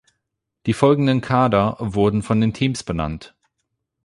Die folgenden Kader wurden von den Teams benannt.